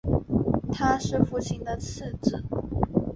他是父亲的次子。